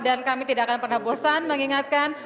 dan kami tidak akan pernah bosan mengingatkan